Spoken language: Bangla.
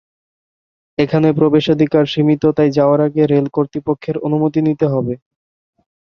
এখানে প্রবেশাধিকার সীমিত, তাই যাওয়ার আগে রেল কর্তৃপক্ষের অনুমতি নিতে হবে।